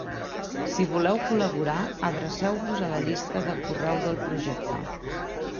Si voleu col·laborar, adreceu-vos a la llista de correu del projecte.